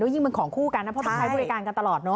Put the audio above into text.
ด้วยยิ่งเป็นของคู่กันเพราะต้องให้บริการกันตลอด